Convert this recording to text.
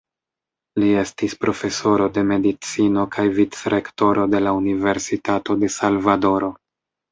Li estis profesoro de Medicino kaj Vicrektoro de la Universitato de Salvadoro.